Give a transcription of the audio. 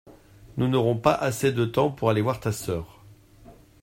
Nous n’aurons pas assez de temps pour aller voir ta sœur.